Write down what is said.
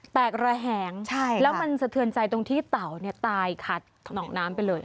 กระแหงแล้วมันสะเทือนใจตรงที่เต่าตายขัดหนองน้ำไปเลย